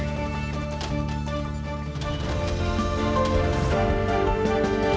kita akan jumpa minggu depan dengan narasumber dan topik lainnya